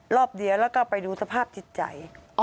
รอบเดียวแล้วก็ไปดูสภาพจิตใจ